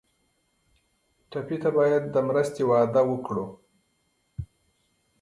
ټپي ته باید د مرستې وعده وکړو.